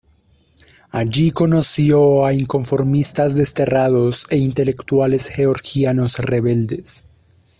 Allí conoció a inconformistas desterrados e intelectuales georgianos rebeldes.